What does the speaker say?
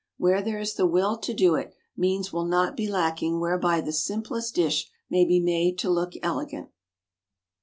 Where there is the will to do it, means will not be lacking whereby the simplest dish may be made to look elegant.